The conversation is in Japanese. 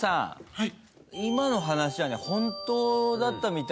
はい。